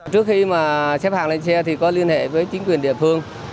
trước khi mà xếp hàng lên xe thì có liên hệ với chính quyền địa phương